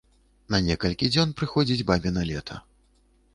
На некалькі дзён прыходзіць бабіна лета.